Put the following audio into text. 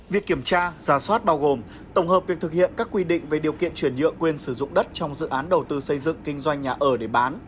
việc kiểm tra giả soát bao gồm tổng hợp việc thực hiện các quy định về điều kiện chuyển nhựa quyền sử dụng đất trong dự án đầu tư xây dựng kinh doanh nhà ở để bán